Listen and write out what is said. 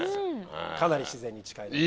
かなり自然に近いのが。